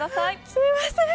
すみません。